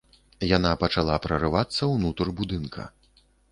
Яна пачала прарывацца ўнутр будынка.